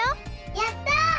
やった！